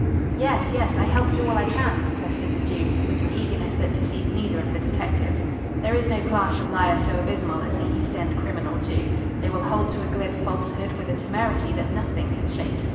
"Yes yes. I help you all I can," protested the Jew, with an eagerness that deceived neither of the detectives. There is no class of liar so abysmal as the East end criminal Jew. They will hold to a glib falsehood with a temerity that nothing can shake.